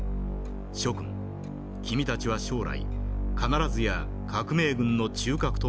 諸君君たちは将来必ずや革命軍の中核となるのだ。